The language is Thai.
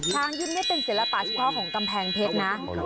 ช้างยิ้นนี่เป็นศิลปะสำคติของกำแพงเพชรนะ